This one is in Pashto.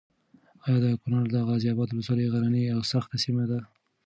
ایا د کونړ د غازي اباد ولسوالي غرنۍ او سخته سیمه ده؟